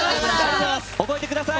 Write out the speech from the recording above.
覚えてください！